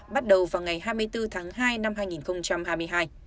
bắt đầu vào ngày hai mươi bốn tháng hai năm hai nghìn hai mươi hai